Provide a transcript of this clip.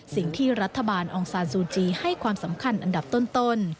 สิ่งที่รัฐบาลองซานซูจีให้ความสำคัญอันดับต้น